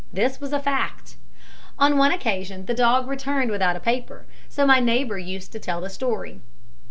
This was a fact. On one occasion the dog returned without a paper, so my neighbour used to tell the story.